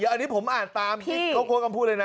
อันนี้ผมอ่านตามที่เขาโค้ดคำพูดเลยนะ